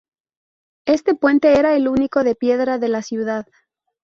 Este puente era el único de piedra de la ciudad.